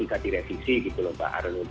bisa direvisi gitu lho pak arlun